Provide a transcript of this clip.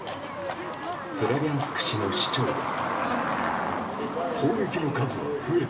スラビャンスク市の市長は。